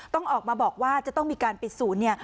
ต้องออกมาบอกว่าจะต้องมีการปิดศูนย์เนี่ย